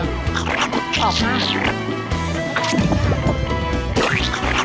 ขอตรี